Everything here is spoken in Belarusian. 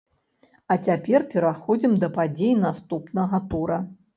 А цяпер пераходзім да падзей наступнага тура!